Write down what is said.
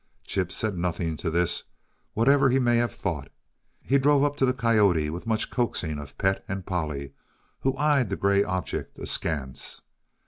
Chip said nothing to this, whatever he may have thought. He drove up to the coyote with much coaxing of Pet and Polly, who eyed the gray object askance.